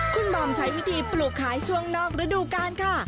คุณมอมใช้วิธีปลูกขายช่วงนอกระดูกาลค่ะ